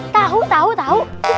tahu tahu tahu